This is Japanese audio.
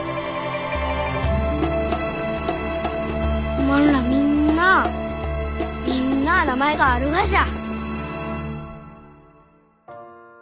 おまんらみんなあみんなあ名前があるがじゃ？